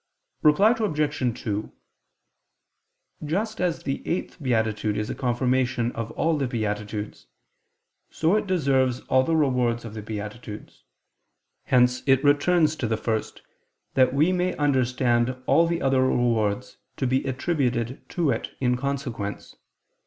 Reply Obj. 2: Just as the eighth beatitude is a confirmation of all the beatitudes, so it deserves all the rewards of the beatitudes. Hence it returns to the first, that we may understand all the other rewards to be attributed to it in consequence.